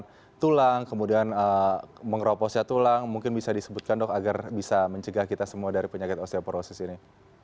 kemudian tulang kemudian mengeroposnya tulang mungkin bisa disebutkan dok agar bisa mencegah kita semua dari penyakit osteoporosis ini